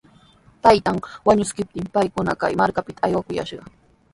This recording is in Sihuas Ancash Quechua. Taytan wañuskiptin paykuna kay markapita aywakuyashqa.